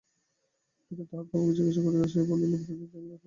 বৃদ্ধ তাহার প্রভুকে জিজ্ঞাসা করিয়া আসিয়া বলিবে, বিনোদিনীকে এরূপ আশ্বাস দিল।